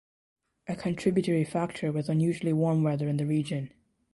A contributory factor was unusually warm weather in the region.